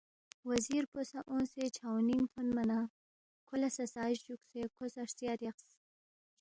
وزیر پو سہ اونگسے چھاؤنِنگ تھونما نہ کھو لہ سہ ساز جُوکسے کھو سہ ہرژیا ریخس